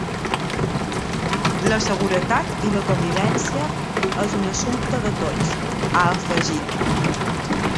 La seguretat i la convivència és un assumpte de tots, ha afegit.